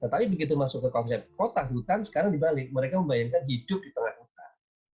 tetapi begitu masuk ke konsep kota hutan sekarang dibalik mereka membayangkan hidup di tengah hutan